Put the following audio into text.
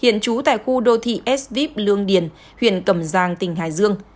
hiện trú tại khu đô thị s vip lương điền huyện cẩm giang tỉnh hải dương